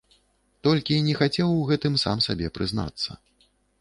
Толькі не хацеў у гэтым сам сабе прызнацца.